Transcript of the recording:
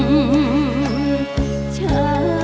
แต่แทรกชัย